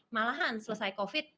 malahan selesai covid